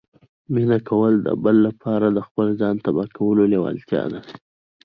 مینه کول د بل لپاره د خپل ځان تباه کولو لیوالتیا ده